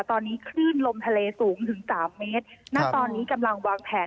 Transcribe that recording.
ตอนนี้คลื่นลมทะเลสูงถึงสามเมตรณตอนนี้กำลังวางแผน